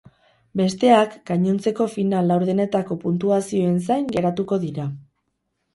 Besteak gainontzeko final laurdenetako puntuazioen zain geratuko dira.